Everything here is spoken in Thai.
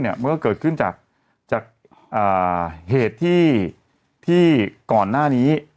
มันก็เกิดขึ้นจากเหตุที่ก่อนหน้านี้